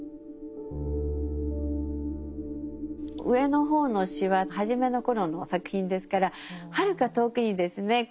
上の方の詩は初めの頃の作品ですからはるか遠くにですね